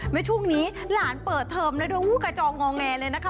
เมื่อช่วงนี้หลานเปิดเทอมแล้วด้วยกระจองงอแงเลยนะคะ